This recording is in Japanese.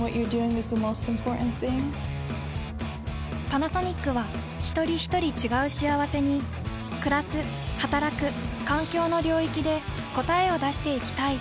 パナソニックはひとりひとり違う幸せにくらすはたらく環境の領域で答えを出していきたい。